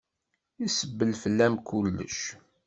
Isebbel fell-am kullec.